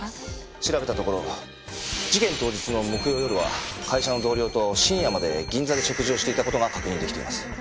調べたところ事件当日の木曜夜は会社の同僚と深夜まで銀座で食事をしていた事が確認できています。